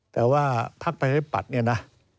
แต่ว่าพักประชาธิปัตย์เนี่ยนะ